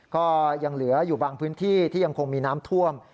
ก็ยังเหลืออยู่บางพื้นที่ที่ยังคงมีน้ำท่วม